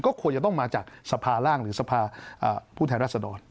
ควรจะต้องมาจากสภาร่างหรือสภาผู้แทนรัศดร